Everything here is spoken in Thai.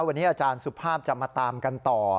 วันนี้อาจารย์สุภาพจะมาตามกันต่อ